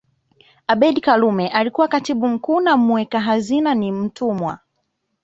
Abeid Karume alikuwa Katibu mkuu na muweka hazina ni Mtumwa